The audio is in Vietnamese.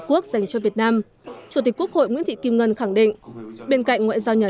quốc dành cho việt nam chủ tịch quốc hội nguyễn thị kim ngân khẳng định bên cạnh ngoại giao nhà